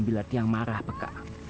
bila tiang marah pak